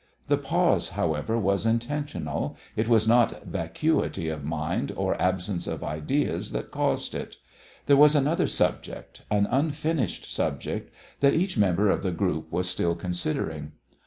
The pause, however, was intentional. It was not vacuity of mind or absence of ideas that caused it. There was another subject, an unfinished subject that each member of the group was still considering.